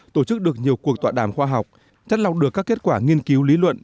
tổ chức được nhiều cuộc tọa đàm khoa học chất lọc được các kết quả nghiên cứu lý luận